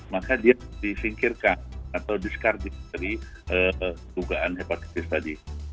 maka dia disingkirkan atau dikardi dari tugaan hepatitis tadi